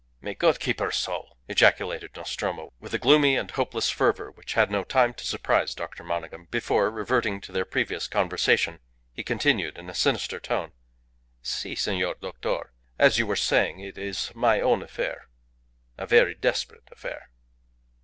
"May God keep her soul!" ejaculated Nostromo, with a gloomy and hopeless fervour which had no time to surprise Dr. Monygham, before, reverting to their previous conversation, he continued in a sinister tone, "Si, senor doctor. As you were saying, it is my own affair. A very desperate affair."